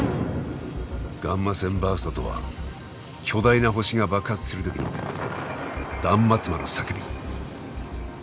ガンマ線バーストとは巨大な星が爆発するときの断末魔の叫び。